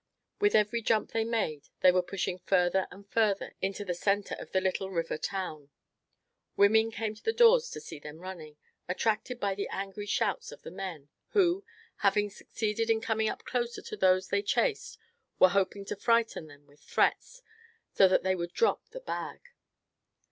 With every jump they made they were pushing further and further into the centre of the little river town. Women came to the doors to see them running, attracted by the angry shouts of the men; who, having succeeded in coming up closer to those they chased were hoping to frighten them with threats, so that they would drop the bag.